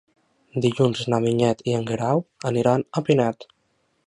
Dilluns na Vinyet i en Guerau aniran a Pinet.